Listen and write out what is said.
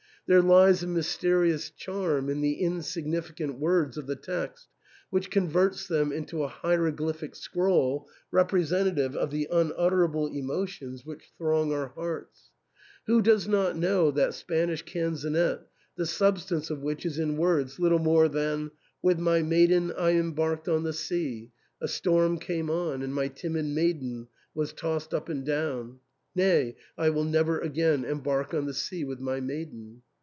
There lies a mysterious charm in the insignificant words of the text which converts them into a hieroglyphic scroll representative of the unut terable emotions which throng our hearts. Who does not know that Spanish canzonet the substance of which is in words little more than, " With my maiden I em barked on the sea ; a storm came on, and my timid maiden was tossed up and down : nay, I will never again embark on the sea with my maiden